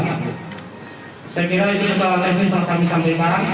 saya kira itu adalah teknik yang kami sampaikan